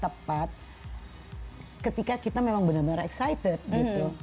kembali ke menunggu waktu yang tepat ketika kita memang bener bener excited gitu